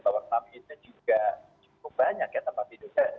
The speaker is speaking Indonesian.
tower enam itu juga cukup banyak ya tanpa tidurnya